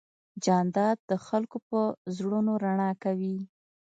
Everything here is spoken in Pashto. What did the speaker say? جانداد د خلکو په زړونو رڼا کوي.